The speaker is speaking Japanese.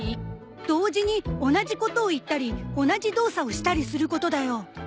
同時に同じことを言ったり同じ動作をしたりすることだよ。